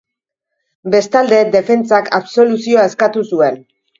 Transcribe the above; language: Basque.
Bestalde, defentsak absoluzioa eskatu zuen.